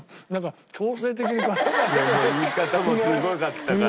言い方もすごかったから。